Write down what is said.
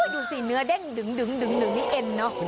ดูสิเนื้อเด้งดึงนี่เอ็นเนอะ